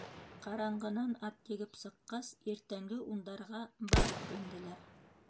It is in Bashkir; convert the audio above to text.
Ҡараңғынан ат егеп сыҡҡас, иртәнге ундарға барып инделәр.